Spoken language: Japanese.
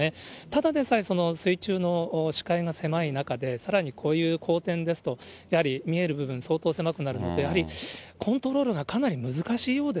ただでさえ、水中の視界が狭い中で、さらにこういう荒天ですと、やはり見える部分、相当狭くなるので、やはりコントロールがかな